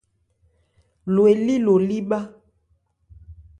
Lo elí lo lí bhá.